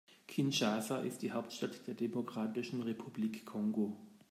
Kinshasa ist die Hauptstadt der Demokratischen Republik Kongo.